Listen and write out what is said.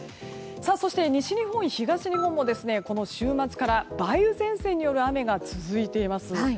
そして、西日本、東日本もこの週末から梅雨前線による雨が続いています。